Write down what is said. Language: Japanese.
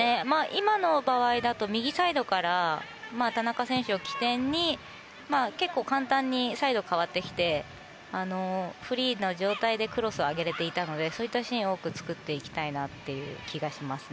今の場合だと右サイドから田中選手を起点に結構、簡単にサイドが変わってきてフリーの状態でクロスを上げられていたのでそういったシーンを多く作っていきたい気がします。